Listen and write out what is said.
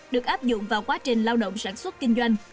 được áp dụng vào quá trình lao động sản xuất kinh doanh